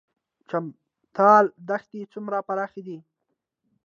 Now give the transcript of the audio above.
چمتال دښتې څومره پراخې دي؟